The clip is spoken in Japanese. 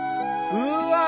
うわ！